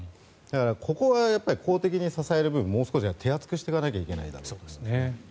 ここは公的に支える部分もう少し手厚くしていかなきゃいけないだろうと。